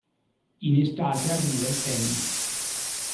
In estate arriva il Ten.